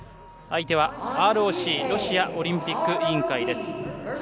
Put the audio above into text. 相手はＲＯＣ＝ロシアオリンピック委員会です。